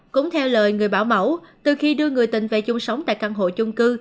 cũng theo lời người bảo mẫu từ khi đưa người tình về chung sống tại căn hộ chung cư